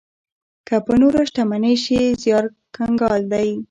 که په نوره شتمنۍ شي، زيار کنګال دی.